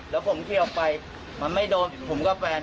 แล้วผมขี่ออกไปมันไม่โดนผมกับแฟน